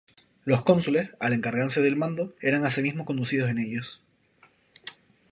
Los cónsules, al encargarse del mando, eran asimismo conducidos en ellos.